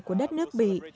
của đất nước bỉ